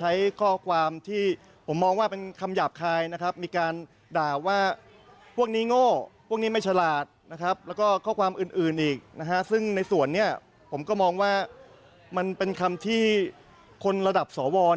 ช่วยตรวจสอบหน่อยนะครับ